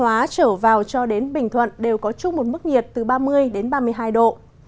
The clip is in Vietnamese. hòa trở vào cho đến bình thuận đều có chung một mức nhiệt từ ba mươi ba mươi hai độ